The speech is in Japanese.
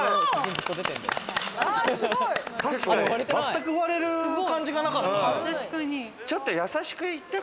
全く割れる感じがなかった。